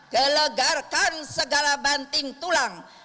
gelegarkan segala banting tulang